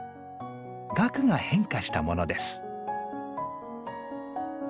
萼が変化したものです。